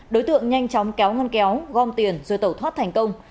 đối tượng nhanh chóng kéo ngăn kéo gom tiền rồi tẩu thoát thành công